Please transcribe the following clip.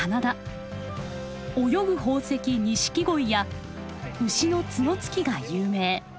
泳ぐ宝石錦鯉や牛の角突きが有名。